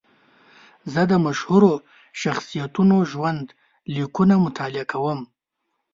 زه د مشهورو شخصیتونو ژوند لیکونه مطالعه کوم.